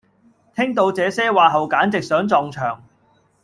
聽到這些話後簡直想撞牆